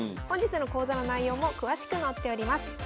本日の講座の内容も詳しく載っております。